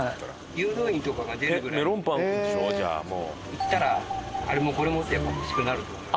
行ったらあれもこれもってやっぱ欲しくなると思います。